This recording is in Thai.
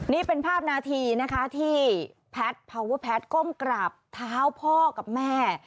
นี่เป็นภาพนาทีนะคะที่แพทย์พาวเวอร์แพทย์ก้มกราบเท้าพ่อกับแม่